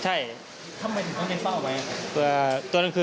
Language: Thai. ใช่อยู่นี่อยู่๒รูป